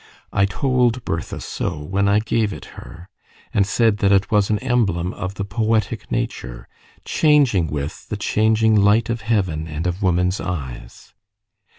I told Bertha so when I gave it her, and said that it was an emblem of the poetic nature, changing with the changing light of heaven and of woman's eyes.